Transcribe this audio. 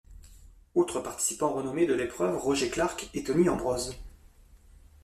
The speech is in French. Autres participants renommés de l'épreuve: Roger Clark et Tony Ambrose.